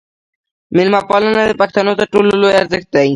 میلمه پالنه د پښتنو تر ټولو لوی ارزښت دی.